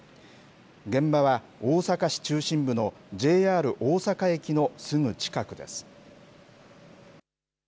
現場は、大阪市中心部のＪＲ大阪駅のすぐ近くです。